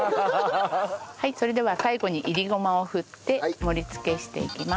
それでは最後に煎りごまを振って盛りつけしていきます。